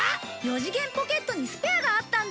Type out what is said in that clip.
四次元ポケットにスペアがあったんだ！